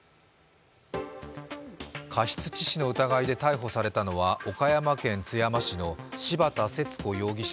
過失致死の疑いで逮捕されたのは岡山県津山市の柴田節子容疑者